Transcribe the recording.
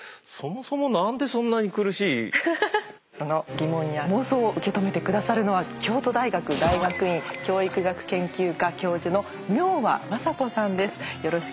その疑問や妄想を受け止めて下さるのは京都大学大学院教育学研究科教授の明和政子さんです。